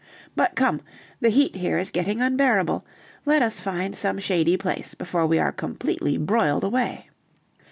But come, the heat here is getting unbearable; let us find some shady place before we are completely broiled away."